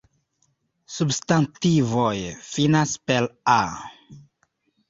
Substantivoj finas per -a.